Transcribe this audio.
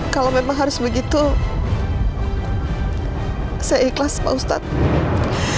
kalau memang harus begitu saya ikhlas pak ustadz